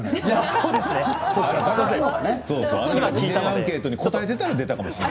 番組アンケートに答えていたら出るかもしれない。